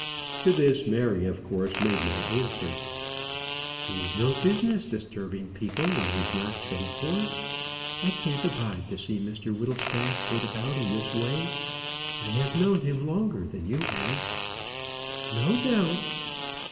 To this Mary, of course, made no answer. "He's no business disturbing people when he's not sent for. I can't abide to see Mr Whittlestaff put about in this way. I have known him longer than you have." "No doubt."